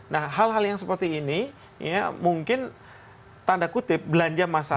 nah hal hal yang seperti ini ya mungkin tanda kutip belanja masal